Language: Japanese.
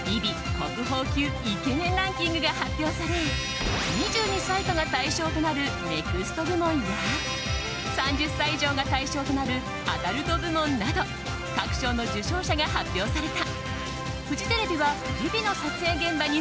国宝級イケメンランキングが発表され２２歳以下が対象となるＮＥＸＴ部門や３０歳以上が対象となるアダルト部門など各賞の受賞者が発表された。